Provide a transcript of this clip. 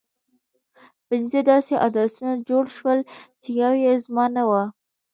پنځه داسې ادرسونه جوړ شول چې يو يې زما نه و.